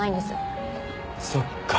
そっか。